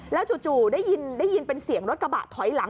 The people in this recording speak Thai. แล้วจู่ได้ยินเป็นเสียงรถกระบะถอยหลัง